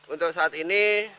untuk saat ini